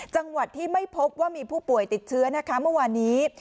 จังหวัดที่ไม่พบว่ามีผู้ป่วยติดเชื้อนะคะเมื่อวานนี้